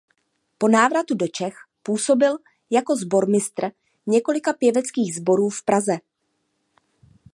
Po návratu do Čech působil jako sbormistr několika pěveckých sborů v Praze.